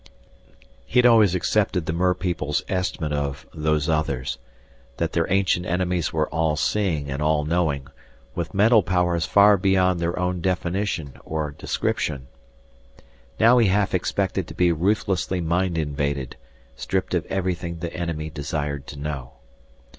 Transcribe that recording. He had always accepted the merpeople's estimate of Those Others, that their ancient enemies were all seeing and all knowing, with mental powers far beyond their own definition or description. Now he half expected to be ruthlessly mind invaded, stripped of everything the enemy desired to know.